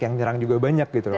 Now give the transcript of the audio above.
yang nyerang juga banyak gitu